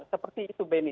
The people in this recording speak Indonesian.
seperti itu beni